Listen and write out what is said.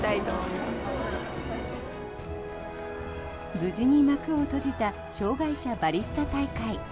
無事に幕を閉じた障害者バリスタ大会。